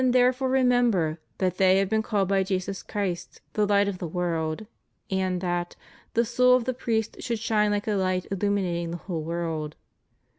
175 therefore remember that they have been called by Jesus Christ the light of the world; and that "the soul of the priest should shine like a light illuminating the whole world."